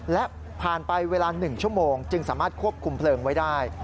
และผ่านไปเวลา๑ชั่วโมงจึงสามารถควบคุมเพลิงไว้ได้